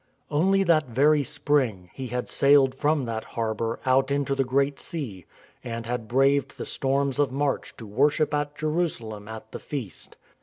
Only that very spring he had sailed from that harbour out into the Great Sea, and had braved the storms of March to worship at Jerusalem at the Feast.